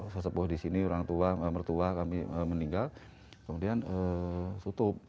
sesepuh di sini orang tua mertua kami meninggal kemudian tutup